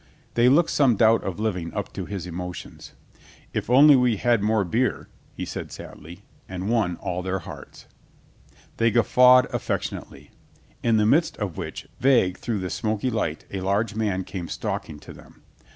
They looked some doubt of living up to his emotions. "If only we had more beer," said he sadly, and won all their hearts. They guf fawed affectionately. In the midst of which, vague through the smoky light, a large man came stalk ing to them.